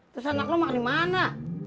terus anak lo mau dimana